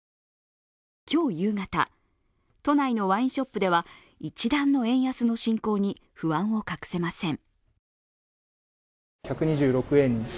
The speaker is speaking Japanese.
今日夕方都内のワインショップでは一段の円安の進行に不安を隠せません。